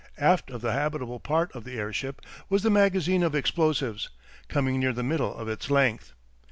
Aft of the habitable part of the airship was the magazine of explosives, coming near the middle of its length.